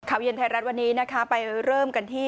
ขวาเย็นไทยรัฐวันนี้ไปเริ่มกัน